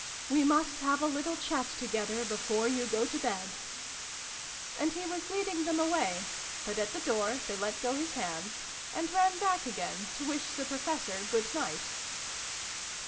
" We must have a little chat together, before you go to bed." And he was leading them away, but at the door they let go his hands, and ran back again to wish the Professor good night.